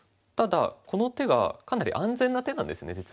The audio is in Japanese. ただこの手がかなり安全な手なんですね